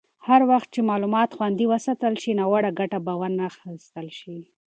هر وخت چې معلومات خوندي وساتل شي، ناوړه ګټه به وانخیستل شي.